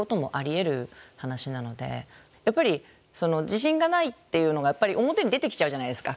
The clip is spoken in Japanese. やっぱり自信がないっていうのが表に出てきちゃうじゃないですか。